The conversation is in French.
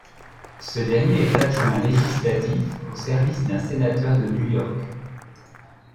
Ce dernier est adjoint législatif au service d'un sénateur de New York.